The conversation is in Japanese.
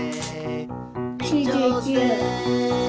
９９。